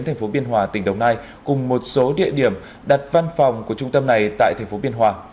tp biên hòa tỉnh đồng nai cùng một số địa điểm đặt văn phòng của trung tâm này tại tp biên hòa